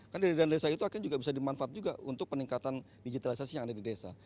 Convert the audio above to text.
karena dana desa itu akhirnya juga bisa dimanfaat juga untuk peningkatan digitalisasi yang ada di desa